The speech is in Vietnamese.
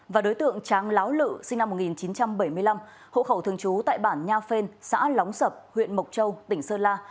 cáu lự sinh năm một nghìn chín trăm bảy mươi năm hộ khẩu thường trú tại bản nha phên xã lóng sập huyện mộc châu tỉnh sơn la